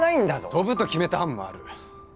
飛ぶと決めた班もある。